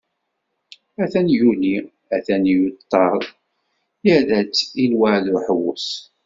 At-an yuli, atan yuṭer, yerra-tt i lweεd uḥewwes.